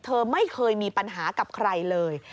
เธอไม่เคยมีปัญหากับใครเลย